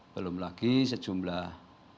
belum lagi sejumlah